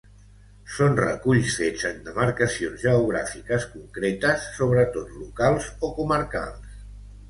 Són reculls fets en demarcacions geogràfiques concretes, sobretot locals o comarcals.